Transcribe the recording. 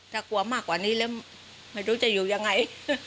ถ้ากลัวมากกว่านี้แล้วไม่รู้จะอยู่ยังไง